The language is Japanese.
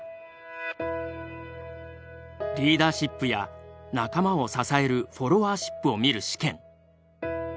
リーダーシップや仲間を支えるフォロワーシップを見る試験。